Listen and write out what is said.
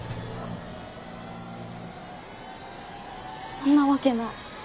そんなわけない。